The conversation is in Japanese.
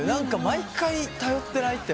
毎回頼ってない？